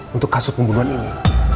untuk kasus pembunuhan ini